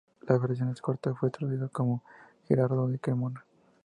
La versión corta fue traducida por Gerardo de Cremona.